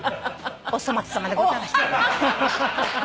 お粗末さまでございました。